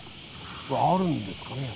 あるんですかね？